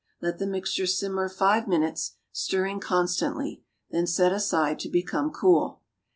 Let the mixture simmer five minutes, stirring constantly; then set aside to become cool.